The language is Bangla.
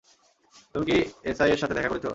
তুমি কী এসআই এর সাথে দেখা করেছ?